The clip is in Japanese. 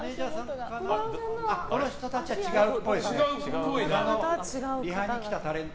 この人たちは違うっぽいですね。